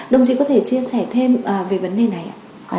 đồng chí có thể chia sẻ thêm về vấn đề này ạ